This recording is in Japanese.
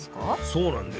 そうなんですよ。